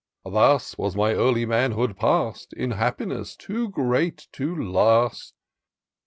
Thus was my early manhood pass'd In happiness too great to last.